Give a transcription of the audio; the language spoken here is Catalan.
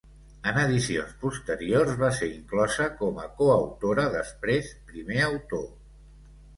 En edicions posteriors, va ser inclosa com a coautora, després primer autor.